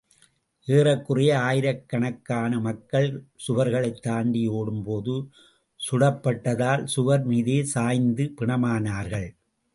ஏறக்குறைய ஆயிரக்கணக்கான் மக்கள், சுவர்களைத் தாண்டி ஓடும் போது சுடப்பட்டதால் சுவர் மீதே சாய்ந்து பிணமானார்கள்.